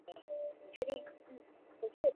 此点我们也可藉由时空图的方法来表现出。